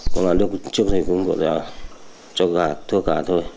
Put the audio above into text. còn là lúc trước thì cũng gọi là cho gà thưa gà thôi